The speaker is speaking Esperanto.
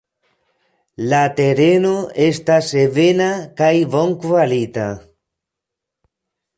La tereno estas ebena kaj bonkvalita.